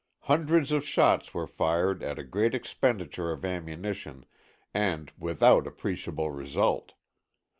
Hundreds of shots were fired at a great expenditure of ammunition and without appreciable result.